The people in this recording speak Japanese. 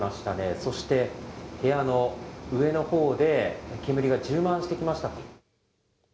そして、部屋の上のほうで、煙が充満してきました。